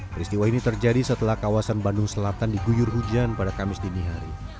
peristiwa ini terjadi setelah kawasan bandung selatan diguyur hujan pada kamis dini hari